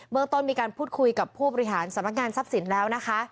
เมืองต้นมีการพูดคุยกับผู้บริหารสำนักงานทรัพย์สินแล้วนะคะ